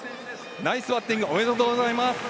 ナイスバッティング、おめでとうございます！